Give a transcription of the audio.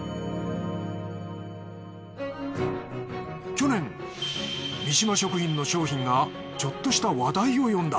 去年三島食品の商品がちょっとした話題を呼んだ。